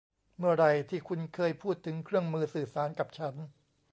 เมื่อไหร่ที่คุณเคยพูดถึงเครื่องมือสื่อสารกับฉัน